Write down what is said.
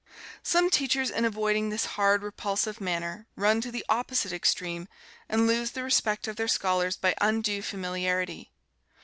Some teachers in avoiding this hard, repulsive manner, run to the opposite extreme, and lose the respect of their scholars by undue familiarity.